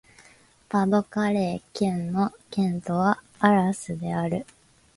パ＝ド＝カレー県の県都はアラスである